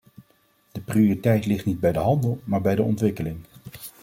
De prioriteit ligt niet bij de handel maar bij de ontwikkeling!